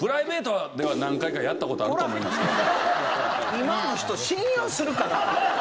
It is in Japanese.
今の人信用するから。